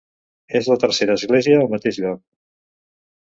És la tercera església al mateix lloc.